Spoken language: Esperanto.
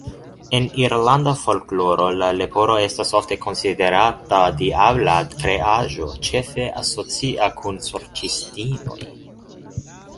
En irlanda folkloro la leporo estas ofte konsiderata diabla kreaĵo, ĉefe asocia kun sorĉistinoj.